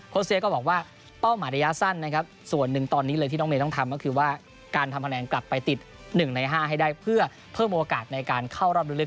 เซียก็บอกว่าเป้าหมายระยะสั้นนะครับส่วนหนึ่งตอนนี้เลยที่น้องเมย์ต้องทำก็คือว่าการทำคะแนนกลับไปติด๑ใน๕ให้ได้เพื่อเพิ่มโอกาสในการเข้ารอบลึก